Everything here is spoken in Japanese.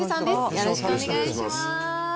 よろしくお願いします。